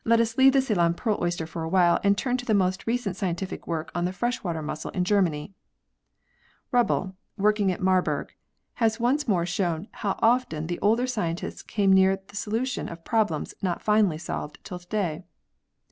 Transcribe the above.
vin] THE ORIGIN OF PEARLS 111 leave the Ceylon pearl oyster for a while and turn to the most recent scientific work on the fresh water mussel in Germany. Rubbel, working at Marburg, has once more shown how often the older scientists came near to the solution of problems not finally solved till to day.